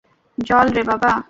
জ্বল রে বাবা।